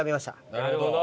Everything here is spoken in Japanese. なるほど。